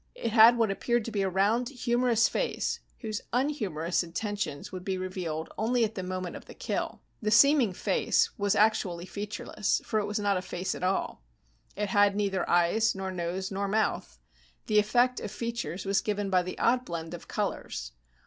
It had what appeared to be a round, humorous face whose unhumorous intentions would be revealed only at the moment of the kill. The seeming face was actually featureless, for it was not a face at all. It had neither eyes, nor nose, nor mouth. The effect of features was given by the odd blend of colors.